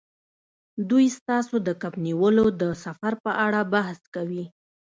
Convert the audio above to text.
دوی ستاسو د کب نیولو د سفر په اړه بحث کوي